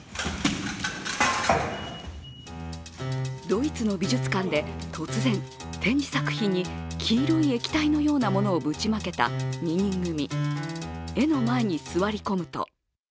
ドイツの美術館で突然展示作品に黄色い液体のようなものをぶちまけた２人組。